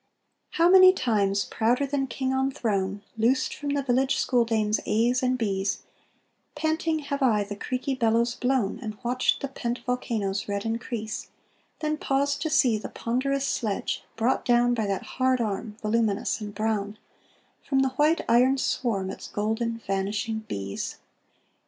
How many times, prouder than king on throne, Loosed from the village school dame's A's and B's, Panting have I the creaky bellows blown, And watched the pent volcano's red increase, Then paused to see the ponderous sledge, brought down By that hard arm voluminous and brown, From the white iron swarm its golden vanishing bees.